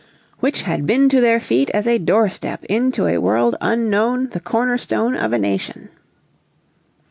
"Which had been to their feet as a doorstep, Into a world unknown the corner stone of a nation!"